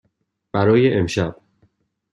برای امشب.